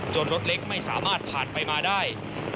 รถเล็กไม่สามารถผ่านไปมาได้